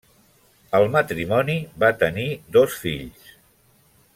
El matrimoni va tenir dos fills.